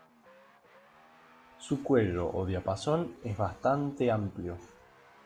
Su cuello o diapasón es bastante amplio.